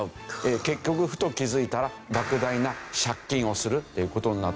結局ふと気づいたら莫大な借金をするっていう事になったり。